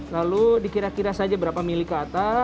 lalu dikira kira saja berapa mili ke atas